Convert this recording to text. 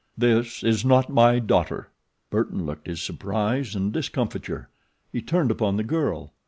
"This is not my daughter." Burton looked his surprise and discomfiture. He turned upon the girl.